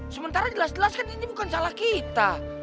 sementara jelas jelas kan ini bukan salah kita